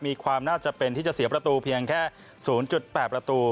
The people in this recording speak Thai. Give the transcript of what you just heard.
มีความน่าจะเป็นที่จะเสียประตูเพียงแค่ศูนย์จุดแปดประตู